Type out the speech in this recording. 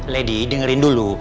lady dengerin dulu